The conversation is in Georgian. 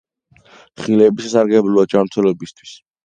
ხილები სასარგებლოა ჯამთველობისთვის